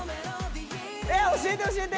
えっ教えて教えて！